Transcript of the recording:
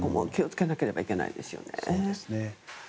気をつけなくてはいけないですよね。